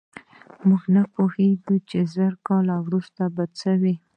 موږ نه پوهېږو چې زر کاله وروسته به څه وي.